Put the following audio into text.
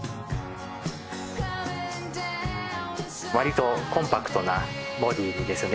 わりとコンパクトなボディにですね